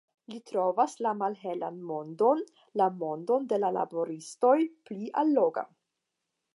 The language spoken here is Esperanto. Li trovas la malhelan mondon, la mondon de la laboristoj, pli alloga.